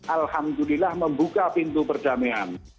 alhamdulillah membuka pintu perdamaian